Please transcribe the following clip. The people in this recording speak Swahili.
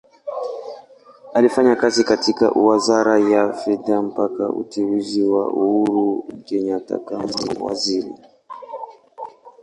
Alifanya kazi katika Wizara ya Fedha mpaka uteuzi wa Uhuru Kenyatta kama Waziri.